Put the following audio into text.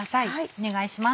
お願いします。